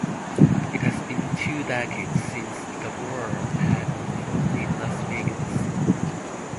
It had been two decades since Gabor had performed in Las Vegas.